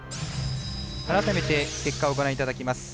改めて結果をご覧いただきます。